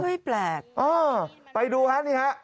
ไห้แปลกอ๋อไปดูฮะนี่ฮะ